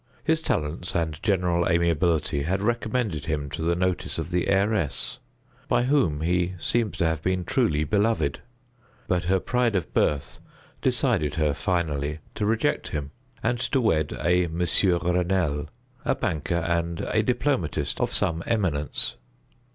His talents and general amiability had recommended him to the notice of the heiress, by whom he seems to have been truly beloved; but her pride of birth decided her, finally, to reject him, and to wed a Monsieur Renelle, a banker and a diplomatist of some eminence.